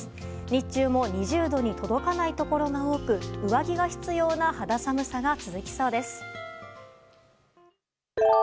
日中も２０度に届かないところが多く上着が必要な肌寒さが続きそうです。